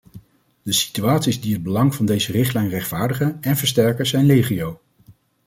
De situaties die het belang van deze richtlijn rechtvaardigen en versterken zijn legio.